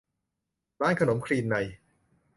ร้านขนมคลีนใน